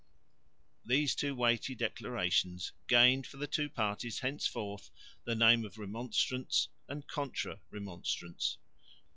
These two weighty declarations gained for the two parties henceforth the names of Remonstrants and Contra Remonstrants.